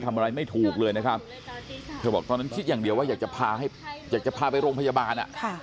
ทำอะไรไม่ถูกเลยนะครับเธอบอกตอนนั้นคิดอย่างเดียวว่าอยากจะพาให้อยากจะพาไปโรงพยาบาล